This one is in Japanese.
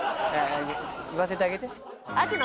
言わせてあげて。